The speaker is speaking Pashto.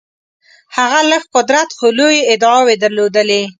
هغه لږ قدرت خو لویې ادعاوې درلودلې.